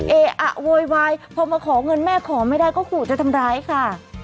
เออะโวยวายพอมาขอเงินแม่ขอไม่ได้ก็ขู่จะทำร้ายค่ะ